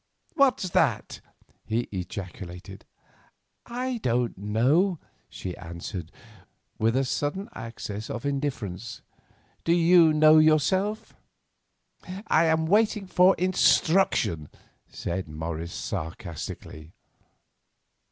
"What's that?" he ejaculated. "I don't know," she answered, with a sudden access of indifference. "Do you know yourself?" "I am waiting for instruction," said Morris, sarcastically.